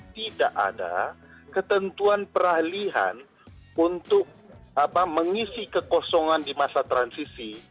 tidak ada ketentuan peralihan untuk mengisi kekosongan di masa transisi